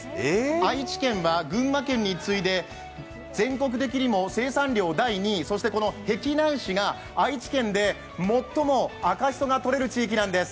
愛知県は群馬県に次いで全国的にも生産量第２位、そして碧南市が愛知県で最も赤しそが取れる地域なんです。